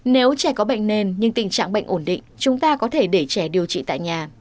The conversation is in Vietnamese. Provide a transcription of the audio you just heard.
nếu trẻ có bệnh nền nhưng tình trạng bệnh ổn định chúng ta có thể để trẻ điều trị tại nhà